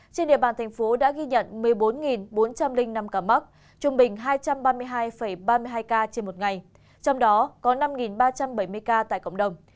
trên địa bàn thành phố đã ghi nhận một mươi bốn bốn trăm linh năm ca mắc trung bình hai trăm ba mươi hai ba mươi hai ca trên một ngày trong đó có năm ba trăm bảy mươi ca tại cộng đồng